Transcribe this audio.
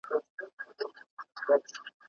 زۀ نۀ ساتم کوټه کې اوس هېندارې په دېوال